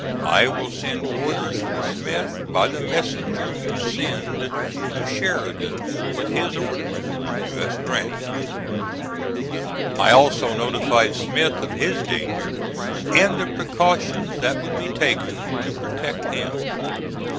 I will send orders for Smith by the messenger you send to Sheridan with his orders. U. S. GRANT. I also notified Smith of his danger, and the precautions that would be taken to protect him.